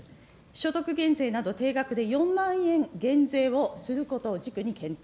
所得減税など、定額で４万円減税をすることを軸に検討。